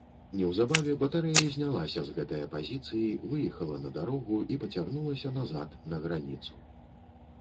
Неўзабаве батарэя знялася з гэтае пазіцыі, выехала на дарогу і пацягнулася назад, на граніцу.